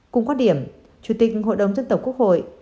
cùng quan điểm chủ tịch hội đồng dân tộc quốc hội